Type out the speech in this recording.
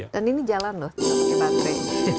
dan ini jalan loh tidak pakai baterai